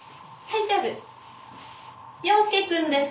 はい！